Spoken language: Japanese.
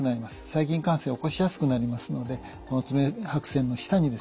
細菌感染を起こしやすくなりますので爪白癬の下にですね